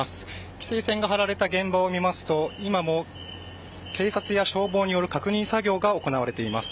規制線が張られた現場を見ますと今も警察や消防による確認作業が行われています。